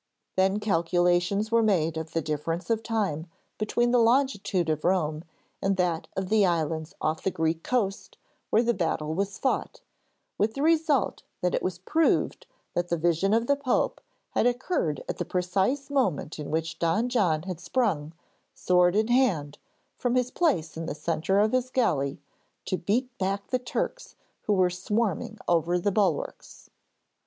Then calculations were made of the difference of time between the longitude of Rome and that of the islands off the Greek coast where the battle was fought, with the result that it was proved that the vision of the Pope had occurred at the precise moment in which Don John had sprung, sword in hand, from his place in the centre of his galley to beat back the Turks who were swarming over the bulwarks.